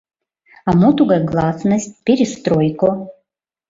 — А мо тугай гласность, перестройко?